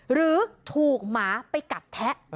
หรือถูกหมาไปกัดแทะ